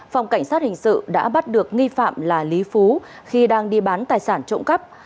phòng cảnh sát hình sự đã bắt được nghi phạm là lý phú khi đang đi bán tài sản trộm cắp